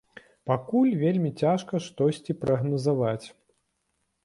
Пакуль вельмі цяжка штосьці прагназаваць.